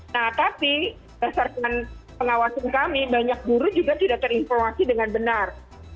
nah tapi berdasarkan pengawasan kami banyak guru juga tidak terinformasi dengan benar